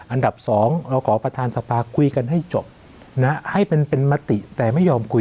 อันดับ๒เราขอประธานสภาคุยกันให้จบนะให้เป็นมติแต่ไม่ยอมคุย